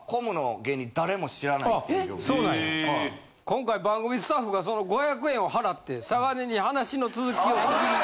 今回番組スタッフがその５００円を払ってさがねに話の続きを聞きに。